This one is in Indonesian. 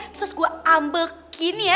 terus gue ambekin ya